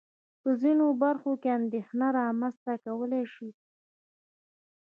په ځينو برخو کې اندېښنه رامنځته کولای شي.